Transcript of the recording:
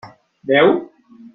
Veu?